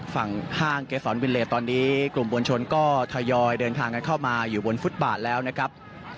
ห้างเกษรวิเลสตอนนี้กลุ่มมวลชนก็ทยอยเดินทางกันเข้ามาอยู่บนฟุตบาทแล้วนะครับ